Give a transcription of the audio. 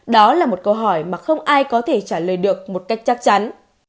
đó là một câu hỏi mà không ai có thể trả lời được một cách chắc chắn